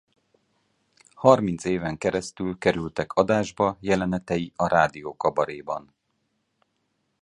Harminc éven keresztül kerültek adásba jelenetei a rádiókabaréban.